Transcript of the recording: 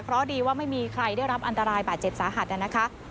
เพราะดีว่าไม่มีใครได้รับอันตรายบาดเจ็บสาหัสนะคะ